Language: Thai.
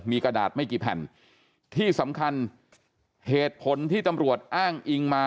มีกระดาษไม่กี่แผ่นที่สำคัญเหตุผลที่ตำรวจอ้างอิงมา